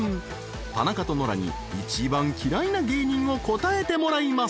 ［田中とノラに一番嫌いな芸人を答えてもらいます］